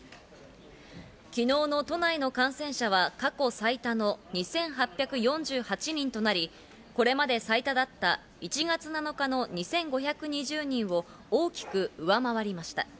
昨日の都内の感染者は過去最多の２８４８人となり、これまで最多だった１月７日の２５２０人を大きく上回りました。